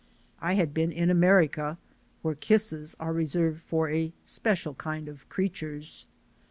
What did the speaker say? I had been in America, where kisses are reserved for a special kind of creatures.